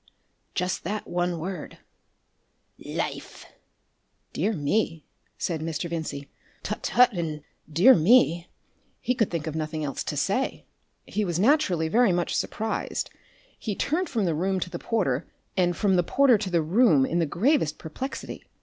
Just that one word, 'LIFE!'" "Dear me," said Mr. Vincey. "Tut, tut," and "Dear me!" He could think of nothing else to say. He was naturally very much surprised. He turned from the room to the porter and from the porter to the room in the gravest perplexity.